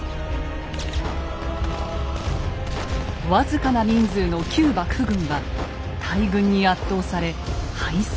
僅かな人数の旧幕府軍は大軍に圧倒され敗走。